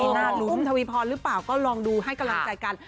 หน้าลุ้มทวีพรหรือเปล่าก็ลองดูให้กำลังใจกัน